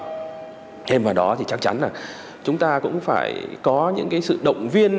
thêm vào đó thì chắc chắn là chúng ta cũng phải có những cái sự động viên